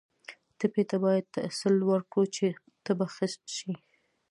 ټپي ته باید تسل ورکړو چې ته به ښه شې.